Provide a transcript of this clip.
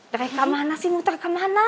dari kamana sih muter kemana